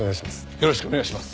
よろしくお願いします。